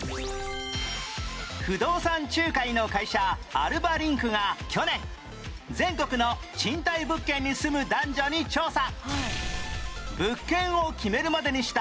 不動産仲介の会社 ＡｌｂａＬｉｎｋ が去年全国の賃貸物件に住む男女に調査